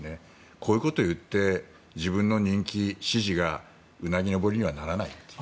こういうことを言って自分の人気、支持がうなぎ登りにはならないっていう。